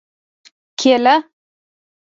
🍌کېله